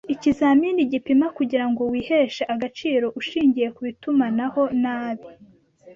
ikizamini gipima kugirango wiheshe agaciro ushingiye kubitumanaho nabi